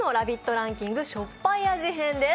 ランキング、しょっぱい味編です。